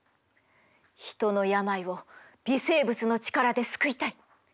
人の病を微生物の力で救いたい。